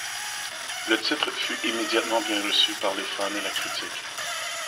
Le titre fut immédiatement bien reçu par les fans et la critique.